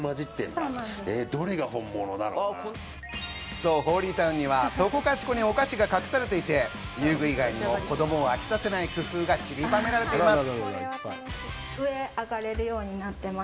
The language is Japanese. そう、ＨｏｌｙＴｏｗｎにはそこかしこにお菓子が隠されていて、遊具以外にも子供を飽きさせない工夫がちりばめられています。